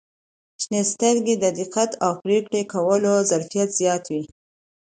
• شنې سترګې د دقت او پرېکړې کولو ظرفیت زیاتوي.